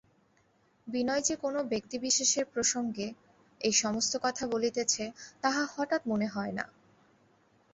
বিনয় যে কোনো ব্যক্তিবিশেষের প্রসঙ্গে এই-সমস্ত কথা বলিতেছে তাহা হঠাৎ মনে হয় না।